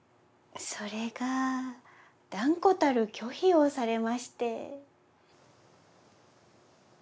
それが断固たる拒否をされまして。